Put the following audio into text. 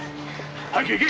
早く行け！